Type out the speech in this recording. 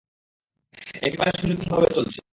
একেবারে সুনিপুণভাবে চলছে।